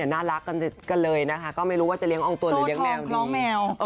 น่ารักกันเลยก็ไม่รู้ว่าจะเลี้ยงองค์ตวนหรือเลี้ยงแมวดี